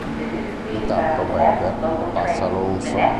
Intanto Webber passa Alonso.